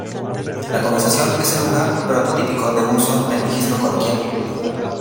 La conversación es el lugar prototípico de uso del registro coloquial.